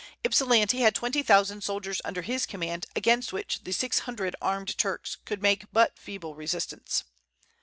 Ypsilanti had twenty thousand soldiers under his command, against which the six hundred armed Turks could make but feeble resistance.